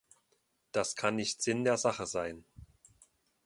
Das kann nicht Sinn der Sache sein.